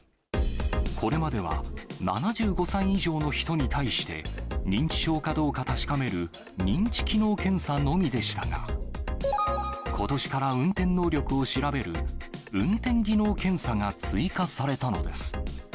これまでは、７５歳以上の人に対して、認知症かどうか確かめる認知機能検査のみでしたが、ことしから運転能力を調べる、運転技能検査が追加されたのです。